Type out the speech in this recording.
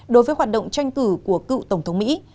đối với hoạt động tranh cử của cựu tổng thống mỹ